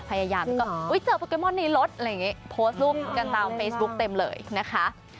พยายามเจอโปเกมอนในรถโพสต์รูปกันตามเฟซบุ๊คเต็มเลยนะคะ